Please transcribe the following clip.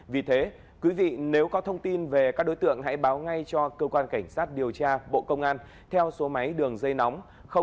vì thế quý vị nếu có thông tin về các đối tượng hãy báo ngay cho cơ quan cảnh sát điều tra bộ công an theo số máy đường dây nóng